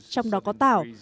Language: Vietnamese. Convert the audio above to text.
trong đó có tảo